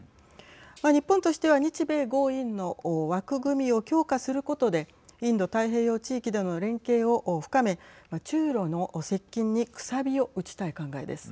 日本としては日米豪印の枠組みを強化することでインド太平洋地域での連携を深め中ロの接近にくさびを打ちたい考えです。